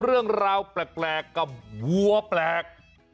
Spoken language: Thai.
เรื่องราวแปลกกับวัวแปลก